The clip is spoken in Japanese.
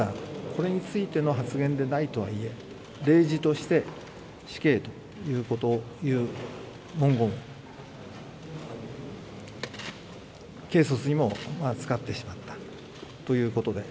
これについての発言ではないといえ例示として、死刑という文言を軽率にも使ってしまったということで。